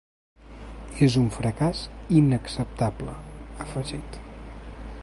És un fracàs inacceptable, ha afegit.